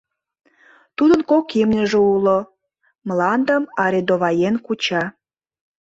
Тудын кок имньыже уло, мландым арендоваен куча.